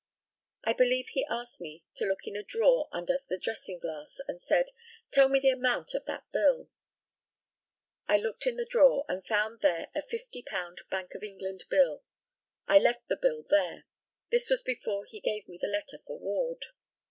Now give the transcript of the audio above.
I believe he asked me to look in a drawer under the dressing glass, and said, "Tell me the amount of that bill." I looked in the drawer, and found there a £50 Bank of England bill. I left the bill there. This was before he gave me the letter for Ward.